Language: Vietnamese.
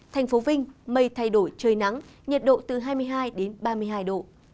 thành phố vinh mây thay đổi trời nắng nhiệt độ từ hai mươi hai đến ba mươi hai độ